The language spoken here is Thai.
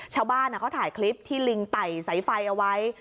ชาวบ้านเขาถ่ายคลิปที่ลิงไต่สายไฟเอาไว้